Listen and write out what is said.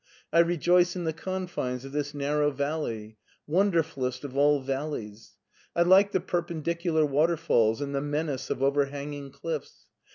I rejoice in the confines of this narrow valley. Wonderf ullest of all valleys ! I like the perpendicular waterfalls and the menace of overhanging cliffs.